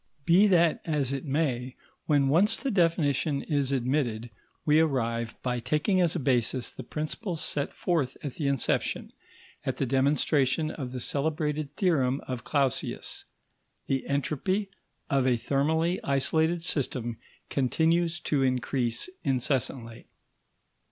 Be that as it may, when once the definition is admitted, we arrive, by taking as a basis the principles set forth at the inception, at the demonstration of the celebrated theorem of Clausius: _The entropy of a thermally isolated system continues to increase incessantly.